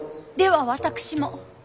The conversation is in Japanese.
では私も。